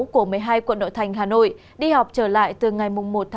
của một mươi hai quận nội thành hà nội đi học trở lại từ ngày một ba